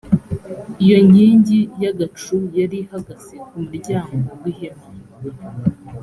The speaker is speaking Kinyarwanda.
iyo nkingi y’agacu yari ihagaze ku muryango w’ihema.